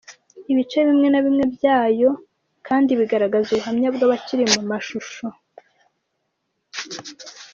Ibice bimwe na bimwe byayo kandi bigaragaza ubuhamya bw’abakiriho mumashusho.